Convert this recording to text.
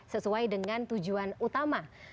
sesuai dengan tujuan utama